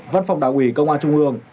văn phòng đảng ủy công an trung ương